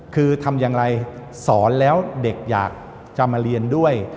คือทำอย่างไรสอนแล้วเด็กอยากจะมาเรียนด้วย